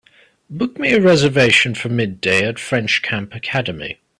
Book me a reservation for midday at French Camp Academy